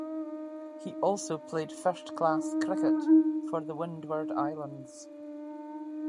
He also played first class cricket for the Windward Islands.